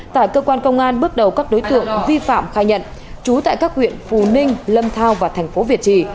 tại cơ quan công an bước đầu các đối tượng vi phạm khai nhận trú tại các huyện phù ninh lâm thao và thành phố việt trì